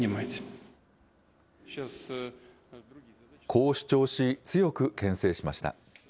こう主張し、強くけん制しました。